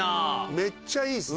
めっちゃいいですね。